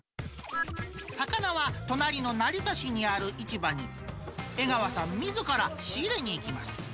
魚は、隣の成田市にある市場に、江川さんみずから仕入れに行きます。